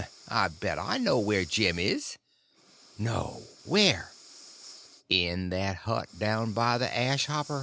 I bet I know where Jim is." "No! Where?" "In that hut down by the ash hopper.